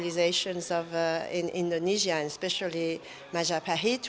dan kerajaan kerajaan indonesia terutama majapahit